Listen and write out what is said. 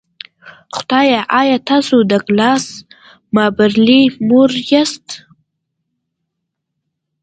خدایه ایا تاسو د ډګلاس مابرلي مور یاست